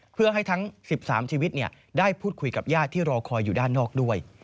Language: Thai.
เพื่อให้ทั้ง๑๓ชีวิตได้พูดคุยกับญาติที่รอคอยอยู่ด้านนอกด้วย